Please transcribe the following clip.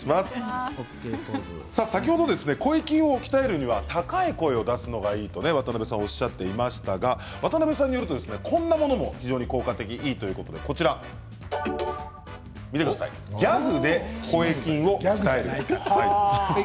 先ほど声筋を鍛えるには高い声を出すのがいいと渡邊さんがおっしゃっていましたが渡邊さんによるとこんなものも非常に効果的ということでギャグで声筋を鍛える。